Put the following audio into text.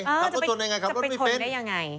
จะไปทนได้ยังไง